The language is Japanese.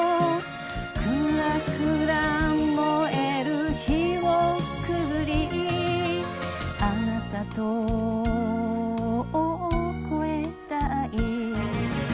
くらくら燃える火をくぐりあなたと越えたい